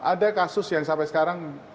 ada kasus yang sampai sekarang